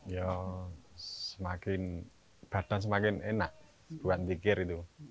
ya semakin badan semakin enak buat zikir itu